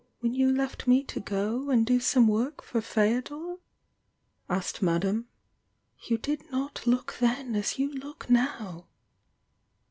when you left me to go and do some work for Feodor r asked Madame. "Y did not look then as you look now!"